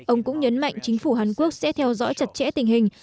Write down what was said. ông cũng nhấn mạnh chính phủ hàn quốc sẽ theo dõi chặt chẽ tình hình